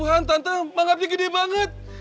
ya tuhan tante mangapnya gede banget